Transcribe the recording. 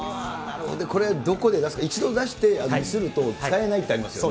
これ、どこで出すか、一度出して見せると使えないってありますよね。